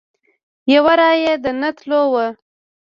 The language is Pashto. یو رایه د نه تلو وه.